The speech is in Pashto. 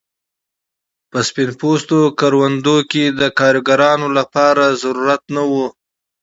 په سپین پوستو کروندو کې د کارګرانو لپاره تقاضا نه وه.